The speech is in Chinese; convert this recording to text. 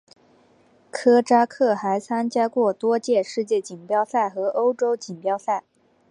科扎克还参加过多届世界锦标赛和欧洲锦标赛。